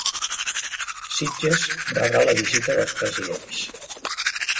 Sitges rebrà la visita dels presidents.